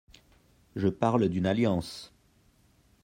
Je parle d'une alliance.